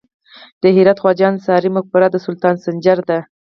د هرات خواجه انصاري مقبره د سلطان سنجر ده